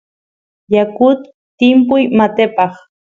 yakut timpuy matepaq